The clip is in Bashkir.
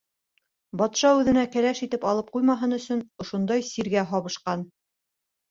Батша үҙенә кәләш итеп алып ҡуймаһын өсөн ошондай сиргә «һабышҡан».